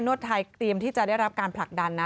วดไทยเตรียมที่จะได้รับการผลักดันนะ